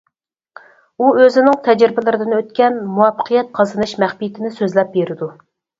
ئۇ ئۆزىنىڭ تەجرىبىلىرىدىن ئۆتكەن مۇۋەپپەقىيەت قازىنىش مەخپىيىتىنى سۆزلەپ بېرىدۇ.